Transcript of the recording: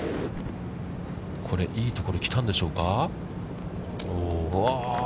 これ、いいところへ来たんでしょうか。